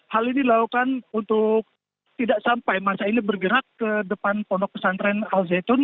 hal ini dilakukan untuk tidak sampai masa ini bergerak ke depan pondok pesantren al zaitun